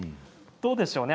どうでしょうね。